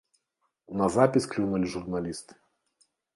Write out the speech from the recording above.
На запіс клюнулі журналісты.